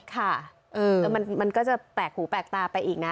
ค่ะมันก็จะแปลกหูแปลกตาไปอีกนะ